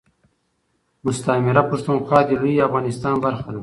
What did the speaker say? مستعمره پښتونخوا دي لوي افغانستان برخه ده